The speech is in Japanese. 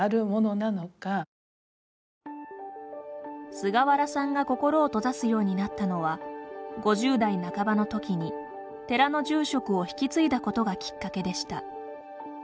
菅原さんが心を閉ざすようになったのは５０代半ばの時に寺の住職を引き継いだことがきっかけでした。